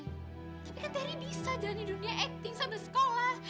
tapi kan terry bisa jalanin dunia akting sambil sekolah